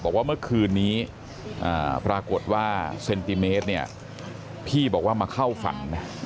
บอกว่าเมื่อคืนนี้ปรากฏว่าเซนติเมตรเนี่ยพี่บอกว่ามาเข้าฝันนะ